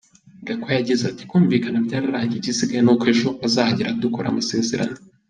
Gakwaya yagize ati "Kumvikana byararangiye, igisigaye ni uko ejo azahagera dukora amasezerano.